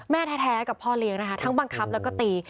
แม่แท้กับพ่อเลี้ยงนะคะทั้งบังคับแล้วก็ตี